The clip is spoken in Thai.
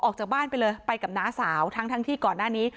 ออกจากบ้านไปเลยไปกับน้าสาวทั้งที่ก่อนหน้านี้